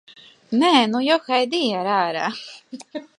Nē, nu, johaidī ar ārā!